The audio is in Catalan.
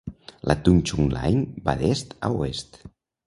La Tung Chung Line va d'est a oest.